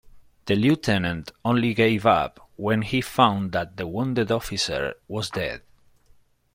The lieutenant only gave up when he found that the wounded officer was dead.